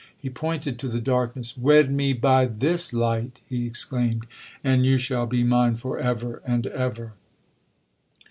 He pointed to the darkness,—'WED ME BY THIS LIGHT!' he exclaimed, 'and you shall be mine for ever and ever!'